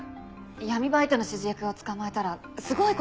闇バイトの指示役を捕まえたらすごい事ですよ。